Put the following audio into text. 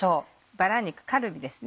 バラ肉カルビですね。